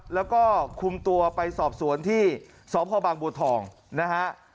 แล้วก็คุมตัวไปสอบสวนที่สพบางบัวทองนะฮะ